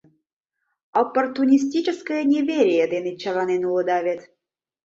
«Оппортунистическое неверие» дене черланен улыда вет.